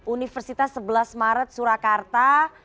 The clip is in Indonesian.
universitas sebelas maret surakarta